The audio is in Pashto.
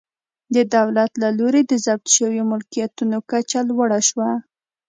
د دولت له لوري د ضبط شویو ملکیتونو کچه لوړه شوه.